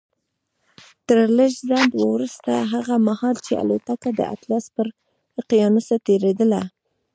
تر لږ ځنډ وروسته هغه مهال چې الوتکه د اطلس پر اقيانوس تېرېدله.